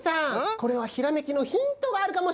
これはひらめきのヒントがあるかもしれないよ。